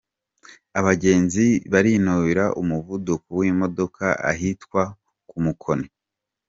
Abagenzi barinubira umuvuduko w’imodoka ahitwa ku Mukoni